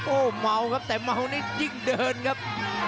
โอ้มัวครับแต่มัวนี่ยิ่งเดินครับ